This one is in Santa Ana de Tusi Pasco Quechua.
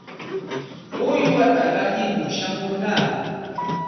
Uywata qatimur shamurqaa.